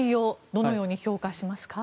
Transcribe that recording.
どのように評価しますか？